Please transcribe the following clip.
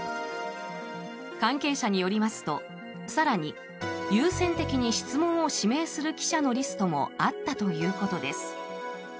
関係者によりますと更に優先的に質問を指名する記者のリストもあったということです。